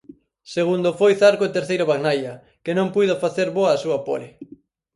Segundo foi Zarco e terceiro Bagnaia, que non puido facer boa a súa pole.